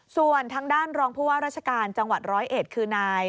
ส่วนทางด้านรองผู้ว่าราชการจังหวัดร้อยเอ็ดคือนาย